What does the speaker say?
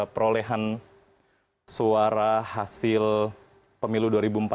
perolehan suara hasil pemilu dua ribu empat belas